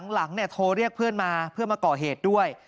หลังโทรเรียกเพื่อนมาเพื่อมาก่อเหตุด้วย